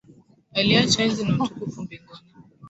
Aliacha enzi na utukufu mbinguni.